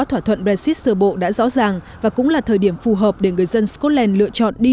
kế hoạch brexit sửa bộ đã rõ ràng và cũng là thời điểm phù hợp để người dân scotland lựa chọn đi